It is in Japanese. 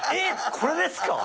これですか？